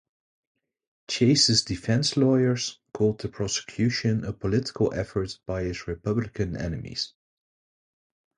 Chase's defense lawyers called the prosecution a political effort by his Republican enemies.